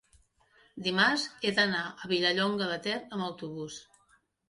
dimarts he d'anar a Vilallonga de Ter amb autobús.